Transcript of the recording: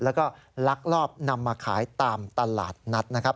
แล้วก็ลักลอบนำมาขายตามตลาดนัดนะครับ